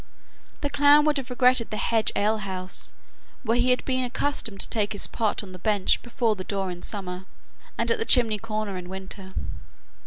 The clown would have regretted the hedge alehouse, where he had been accustomed to take his pot on the bench before the door in summer, and at the chimney corner in winter.